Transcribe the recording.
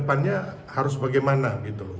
kedepannya harus bagaimana gitu loh